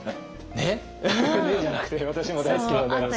「ね！」じゃなくて私も大好きなので。